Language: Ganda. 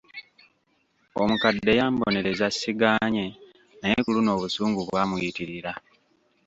Omukadde yambonereza sigaanye, naye ku luno obusungu bwamuyitirira.